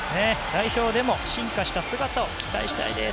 代表でも進化した姿を期待したいです。